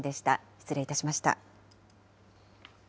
失礼いたしました。